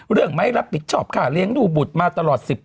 เรื่องไม้รับผิดชอบค่ะเลี้ยงดูบุตรมาตลอด๑๐